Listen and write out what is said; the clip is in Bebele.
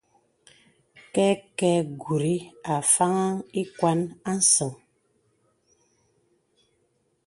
Kɛkɛgùrì a faŋaŋ ìkwàn à səŋ.